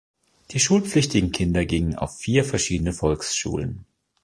Die schulpflichtigen Kinder gingen auf vier verschiedene Volksschulen.